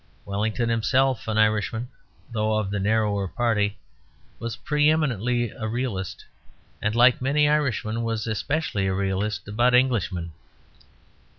Wellington, himself an Irishman though of the narrower party, was preeminently a realist, and, like many Irishmen, was especially a realist about Englishmen.